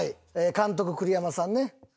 監督栗山さんね。